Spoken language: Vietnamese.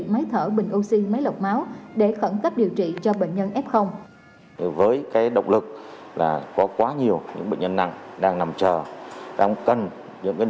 máy thở bình oxy máy lọc máu để khẩn cấp điều trị cho bệnh nhân f